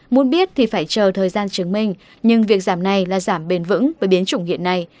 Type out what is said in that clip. muốn biết thì phải chờ thời gian chứng minh nhưng việc giảm này là giảm bền vững với biến chủng hiện nay